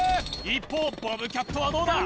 一方ボブキャットはどうだ？